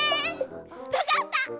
わかった！